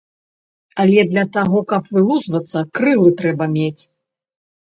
Але для таго, каб вылузвацца, крылы трэба мець.